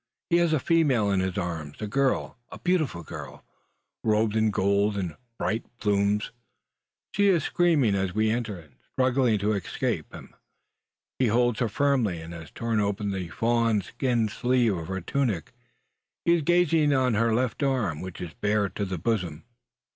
He has a female in his arms a girl, a beautiful girl, robed in gold and bright plumes. She is screaming as we enter, and struggling to escape him. He holds her firmly, and has torn open the fawn skin sleeve of her tunic. He is gazing on her left arm, which is bared to the bosom!